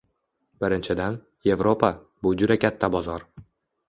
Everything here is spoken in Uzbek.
Birinchidan, Yevropa — bu juda katta bozor.